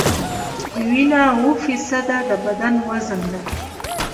وینه اووه فیصده د بدن وزن ده.